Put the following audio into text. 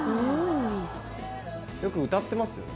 よく歌ってますよね